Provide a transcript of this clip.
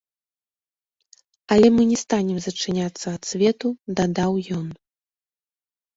Але мы не станем зачыняцца ад свету, дадаў ён.